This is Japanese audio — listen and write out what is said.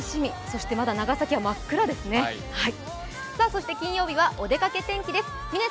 そして長崎はまだ真っ暗ですね。